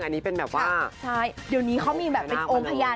อันนี้เป็นแบบว่าใช่เดี๋ยวนี้เขามีแบบเป็นองค์พญา